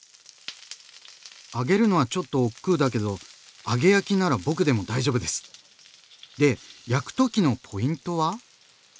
揚げるのはちょっとおっくうだけど揚げ焼きなら僕でも大丈夫です！で焼く時のポイントは？